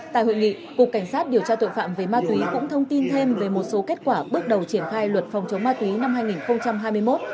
tại hội nghị cục cảnh sát điều tra tội phạm về ma túy cũng thông tin thêm về một số kết quả bước đầu triển khai luật phòng chống ma túy năm hai nghìn hai mươi một